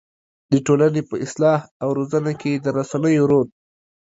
د ټولنې په اصلاح او روزنه کې د رسنيو رول